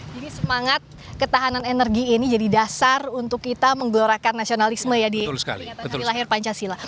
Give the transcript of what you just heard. jadi semangat ketahanan energi ini jadi dasar untuk kita menggelorakan nasionalisme ya di pancasila